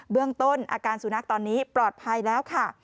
เรื่องต้นอาการสุนัขตอนนี้ปลอดภัยแล้วค่ะ